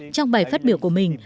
trong bài phát biểu của mình